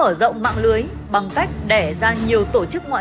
bằng cách đẻ ra nhiều tổ chức ngoại vụ bằng cách đẻ ra nhiều tổ chức ngoại vụ